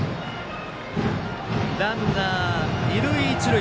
ランナー、二塁一塁。